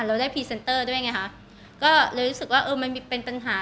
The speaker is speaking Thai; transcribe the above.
เราได้พรีเซนเตอร์ด้วยไงคะก็เลยรู้สึกว่าเออมันเป็นปัญหา